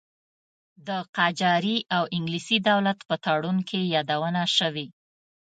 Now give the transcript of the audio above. د قاجاري او انګلیسي دولت په تړون کې یادونه شوې.